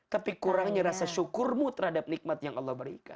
tapi kurangnya rasa syukurmu terhadap nikmat yang allah berikan